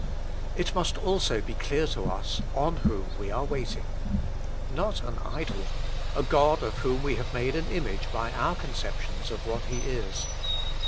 ' It must also be clear to us, on Whom we are waiting. Not an idol, a God of whom we have made an image by our conceptions of what He is.